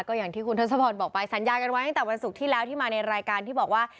ก็อย่างที่คุณทศพรบอกไปสัญญากันไว้ตั้งแต่วันศุกร์ที่แล้วที่มาในรายการที่บอกว่า